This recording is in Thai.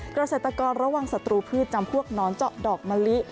เกษตรกรระวังศัตรูพืชจำพวกหนอนเจาะดอกมะลิ